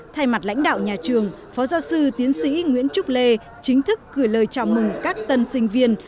thay mặt lãnh đạo nhà trường phó giáo sư tiến sĩ nguyễn trúc lê chính thức gửi lời chào mừng các tân sinh viên